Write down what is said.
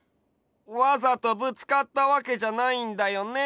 わざとぶつかったわけじゃないんだよね？